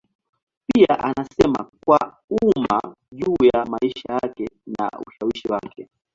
Pia anasema kwa umma juu ya maisha yake na ushawishi wake.